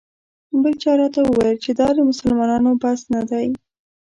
بل چا راته وویل چې دا د مسلمانانو بس نه دی.